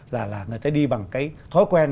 là người ta đi bằng cái thói quen